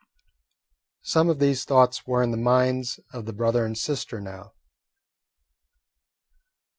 Some of these thoughts were in the minds of the brother and sister now.